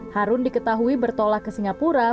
harun diketahui bertolak ke singapura